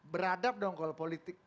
beradab dong kalau politik